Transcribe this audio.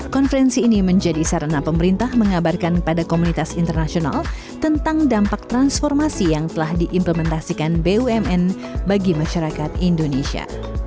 konferensi ini menjadi sarana pemerintah mengabarkan pada komunitas internasional tentang dampak transformasi yang telah diimplementasikan bumn bagi masyarakat indonesia